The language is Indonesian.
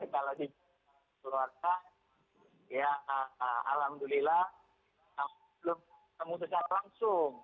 kalau di keluarga ya alhamdulillah belum ketemu secara langsung